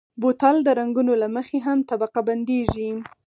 بوتل د رنګونو له مخې هم طبقه بندېږي.